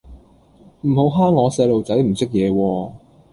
唔好蝦我細路仔唔識野喎